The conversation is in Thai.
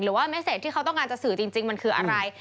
ว่าเม็ดเศษที่เขาต้องการจะสื่อจริงมันคืออะไร